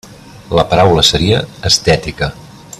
La paraula seria «estètica».